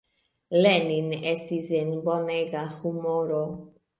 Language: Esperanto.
Lenin estis en bonega humoro.